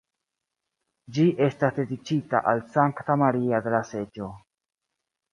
Ĝi estas dediĉita al Sankta Maria de la Seĝo.